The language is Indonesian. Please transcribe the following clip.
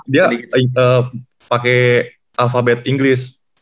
dia pake alfabet inggris